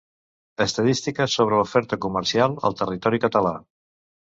Estadístiques sobre l'oferta comercial al territori català.